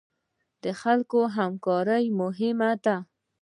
د خلکو همکاري مهمه ده